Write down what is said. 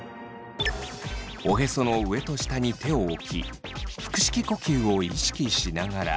おへその上と下に手を置き腹式呼吸を意識しながら。